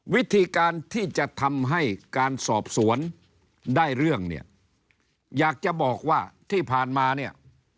วิธีการที่จะทำให้การสอบสวนได้เรื่องเนี่ยอยากจะบอกว่าที่ผ่านมาเนี่ย